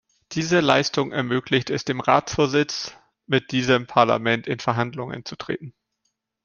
Diese Leistung ermöglicht es dem Ratsvorsitz, mit diesem Parlament in Verhandlungen zu treten.